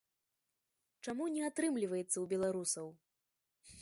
Чаму не атрымліваецца ў беларусаў?